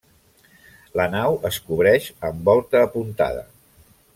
La nau es cobreix amb volta apuntada.